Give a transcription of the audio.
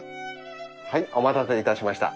はいお待たせいたしました。